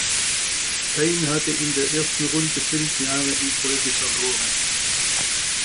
Payne hatte in der ersten Runde fünf Jahre in Folge verloren.